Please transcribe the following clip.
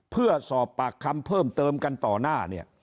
เพื่อสอบปากคำเพิ่มเติมกันต่อหน้าเนี่ย